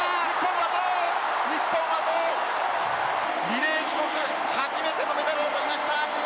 リレー種目初めてのメダルを取りました。